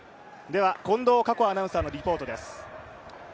では近藤夏子アナウンサーのリポートです。